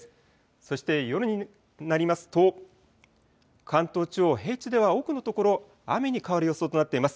そして夜になりますと関東地方、平地では多くの所、雨に変わる予想となっています。